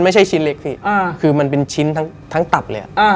ไม่ใช่ชิ้นเล็กพี่คือมันเป็นชิ้นทั้งตับเลย